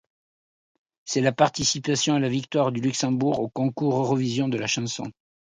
C'est la participation et la victoire du Luxembourg au Concours Eurovision de la chanson.